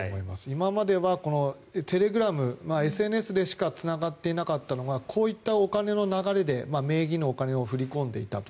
今まではテレグラムＳＮＳでしかつながっていなかったのがこういったお金の流れで名義のお金を振り込んでいたと。